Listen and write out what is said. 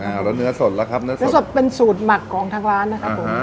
แล้วเนื้อสดล่ะครับเนื้อสดเนื้อสดเป็นสูตรหมักของทางร้านนะครับผม